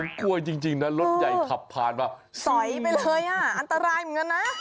กลัวจริงนะรถใหญ่ขับผ่านมาสอยไปเลยอ่ะอันตรายเหมือนกันนะ